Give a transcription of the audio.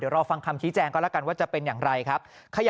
เดี๋ยวรอฟังคำทีแจงก็ละกันว่าจะเป็นอย่างไรครับ